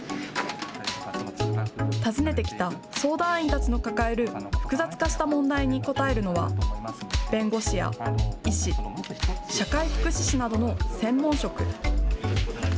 訪ねてきた相談員たちの抱える複雑化した問題に応えるのは弁護士や医師、社会福祉士などの専門職。